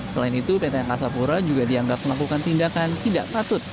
selain itu pt angkasa pura juga dianggap melakukan tindakan tidak patut